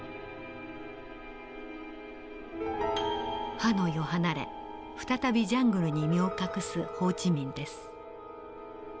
ハノイを離れ再びジャングルに身を隠すホー・チ・ミンです。